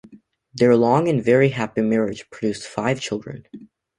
Their long and very happy marriage produced five children.